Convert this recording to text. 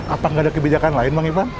apa nggak ada kebijakan lain bang iva